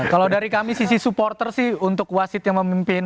kalau dari kami sisi supporter sih untuk wasit yang memimpin